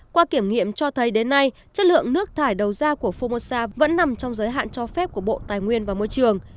qua kiểm nghiệm cho thấy đến nay chất lượng nước thải đầu ra của formosa vẫn nằm trong giới hạn cho phép của bộ tài nguyên và môi trường